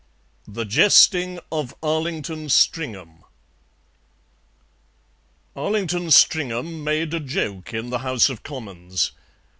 THE JESTING OF ARLINGTON STRINGHAM Arlington Stringham made a joke in the House of Commons.